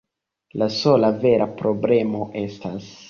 La sola vera problemo estas...